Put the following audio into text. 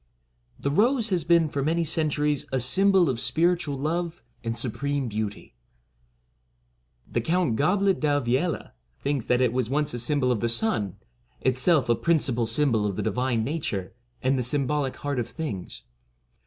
The Rose has been for many centuries a sym bol of spiritual love and supreme beauty. The Count Goblet D'Alviella thinks that it was once a symbol of the sun, — itself a principal symbol of the divine nature, and the sym bolic heart of things.